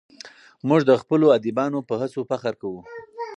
موږ د خپلو ادیبانو په هڅو فخر کوو.